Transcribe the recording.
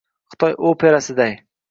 xitoy operasiday